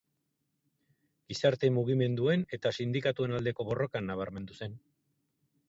Gizarte-mugimenduen eta sindikatuen aldeko borrokan nabarmendu zen.